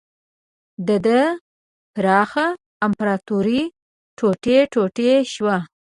د ده پراخه امپراتوري ټوټې ټوټې شوه.